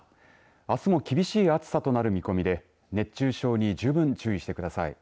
あすも厳しい暑さとなる見込みで熱中症に十分注意してください。